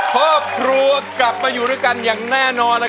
ยังไม่มีให้รักยังไม่มี